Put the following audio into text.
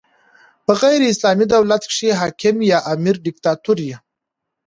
په غیري اسلامي دولت کښي حاکم یا امر ډیکتاتور يي.